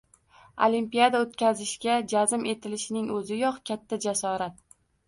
Olimpiada o‘tkazishga jazm etilishining o‘ziyoq katta jasorat.